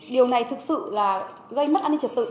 điều này thực sự là gây mất an ninh trật tự